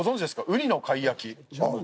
ウニの貝焼き。